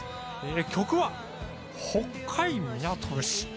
曲は『北海港節』